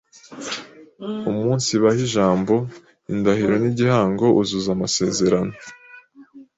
umunsibaha ijambo, indahiro n’igihango uzuza amasezerano